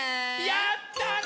やったね！